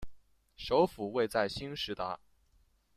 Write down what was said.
首府位在兴实达。